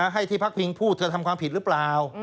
ให้ที่พักพิงพูดเธอทำความผิดหรือเปล่า